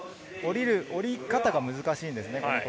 降り方が難しいんです。